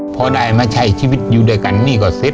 พอได้มาใช้ชีวิตอยู่ด้วยกันหนี้ก็เสร็จ